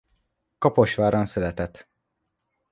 Kaposváron született.